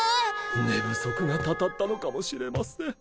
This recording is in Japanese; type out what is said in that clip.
寝不足がたたったのかもしれません。